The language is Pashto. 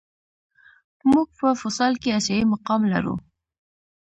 موږ په فوسال کې آسیايي مقام لرو.